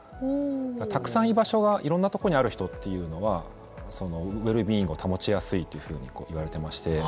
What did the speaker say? たくさん居場所がいろんなところにある人というのはウェルビーイングを保ちやすいというふうに言われてまして。